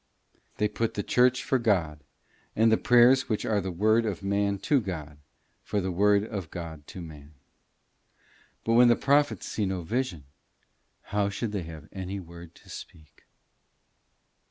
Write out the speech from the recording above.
They put the Church for God, and the prayers which are the word of man to God, for the word of God to man. But when the prophets see no vision, how should they have any word to speak?